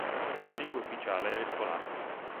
La lingua ufficiale era il polacco.